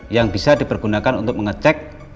yang bisa dipergunakan untuk mengecek